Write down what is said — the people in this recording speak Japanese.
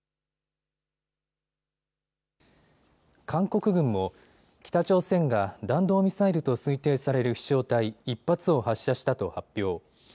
韓国軍も北朝鮮が弾道ミサイルと推定される飛しょう体、１発を発射したと発表。